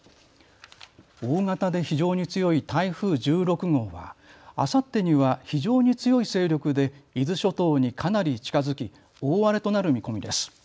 大型で非常に強い台風１６号はあさってには非常に強い勢力で伊豆諸島にかなり近づき大荒れとなる見込みです。